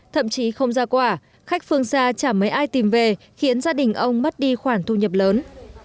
thậm chí không ra quả khách phương xa chả mấy ai tìm về khiến gia đình ông mất đi khoản thu nhập lớn